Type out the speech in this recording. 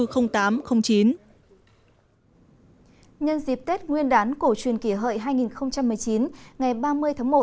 nhân dịp tết nguyên đán cổ truyền kỷ hợi hai nghìn một mươi chín ngày ba mươi tháng một